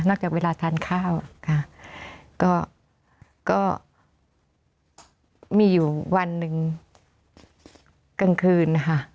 จากเวลาทานข้าวค่ะก็มีอยู่วันหนึ่งกลางคืนนะคะ